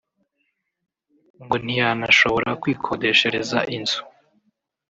ngo ntiyanashobora kwikodeshereza inzu